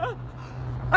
あ！